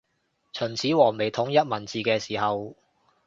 秦始皇未統一文字嘅時候